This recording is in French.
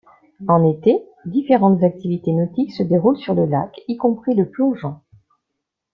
En été, différentes activités nautiques se déroulent sur le lac y compris le plongeon.